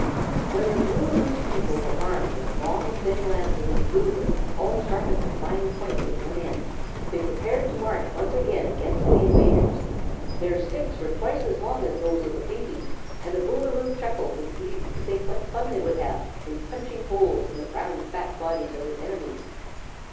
When the Boolooroo's people were armed with long, thin lances of bluewood, all sharpened to fine points at one end, they prepared to march once more against the invaders. Their sticks were twice as long as those of the Pinkies and the Boolooroo chuckled with glee to think what fun they would have in punching holes in the round, fat bodies of his enemies.